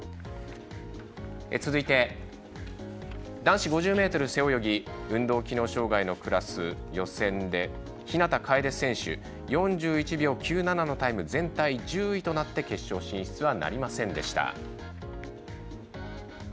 続いて男子５０ｍ背泳ぎ運動機能障がいのクラス予選で日向楓選手、４１秒９７のタイム全体１０位となって決勝進出はなりませんでした。